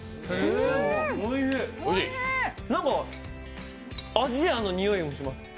おいしい、なんかアジアのにおいもします。